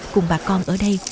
cùng bà con ở đây